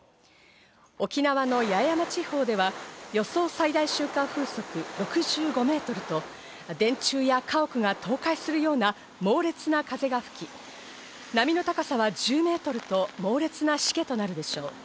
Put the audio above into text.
沖縄の八重山地方では予想最大瞬間風速６５メートルと電柱や家屋が倒壊するような猛烈な風が吹き、波の高さは１０メートルと猛烈なしけとなるでしょう。